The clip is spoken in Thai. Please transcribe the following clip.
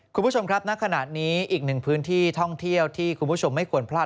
คุณผู้ชมครับณขณะนี้อีกหนึ่งพื้นที่ท่องเที่ยวที่คุณผู้ชมไม่ควรพลาด